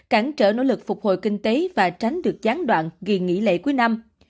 cản trở nỗ lực phục hồi kinh tế và tránh được gián đoạn kỳ nghỉ lễ cuối năm